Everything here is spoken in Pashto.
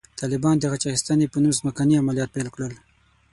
طالبانو د غچ اخیستنې په نوم ځمکني عملیات پیل کړل.